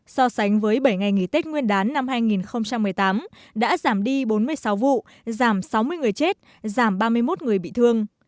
so sánh với bảy ngày nghỉ tết nguyên đán năm hai nghìn một mươi tám đã giảm đi bốn mươi sáu vụ giảm sáu mươi người chết giảm ba mươi một người bị thương